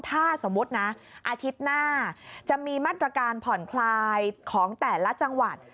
ถ้าสมมุตินะอาทิตย์หน้าจะมีมาตรการผ่อนคลายของแต่ละจังหวัด